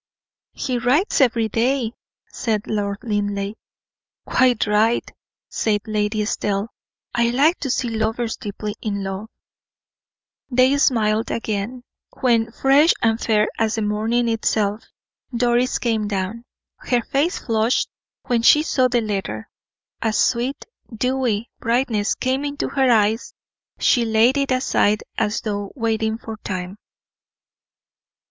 "He writes every day," said Lord Linleigh. "Quite right," said Lady Estelle. "I like to see lovers deeply in love." They smiled again, when, fresh and fair as the morning itself, Doris came down. Her face flushed when she saw the letter; a sweet, dewy brightness came into her eyes; she laid it aside as though waiting for time.